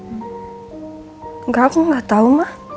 enggak aku gak tau mah